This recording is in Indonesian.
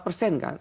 empat persen kan